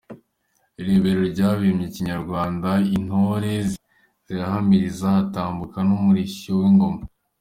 "Irebero" ryabyinnye kinyarwanda, intore zirahamiriza, hatambuka n’umurishyo w’ingoma.